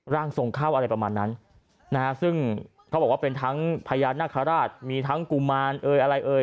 ร่างทรงเข้าอะไรประมาณนั้นนะฮะซึ่งเขาบอกว่าเป็นทั้งพญานาคาราชมีทั้งกุมารเอ่ยอะไรเอ่ย